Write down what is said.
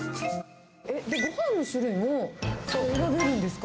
ごはんの種類も選べるんですか？